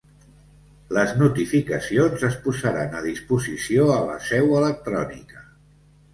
Les notificacions es posaran a disposició a la Seu electrònica.